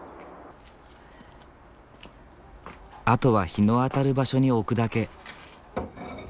あとは日の当たる場所に置くだけ。